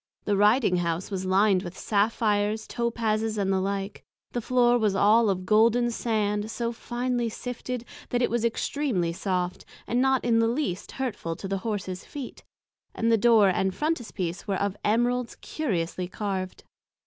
The Riding House was lined with Saphirs, Topases, and the like; the Floor was all of Golden Sand so finely sifted, that it was extreamly soft, and not in the least hurtful to the Horses feet, and the Door and Frontispiece was of Emeralds curiously carved.